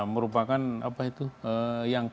merupakan apa itu yang